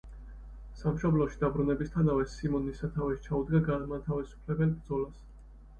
სამშობლოში დაბრუნებისთანავე სიმონი სათავეში ჩაუდგა გამათავისუფლებელ ბრძოლას.